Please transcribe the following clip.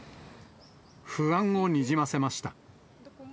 不安をにじませました。